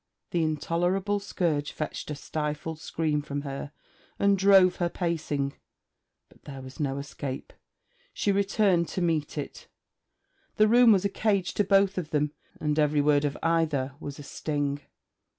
The intolerable scourge fetched a stifled scream from her and drove her pacing, but there was no escape; she returned to meet it. The room was a cage to both of them, and every word of either was a sting.